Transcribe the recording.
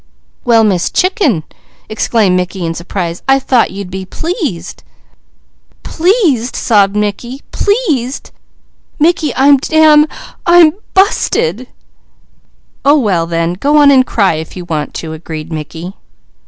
"Well Miss Chicken!" exclaimed Mickey in surprise, "I thought you'd be pleased!" "Pleased!" sobbed Peaches. "Pleased! Mickey, I'm dam I'm busted!" "Oh well then, go on and cry, if you want to," agreed Mickey.